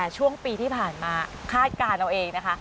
ช่วงปีที่ผ่านมาคาดการณ์เอาเองนะคะ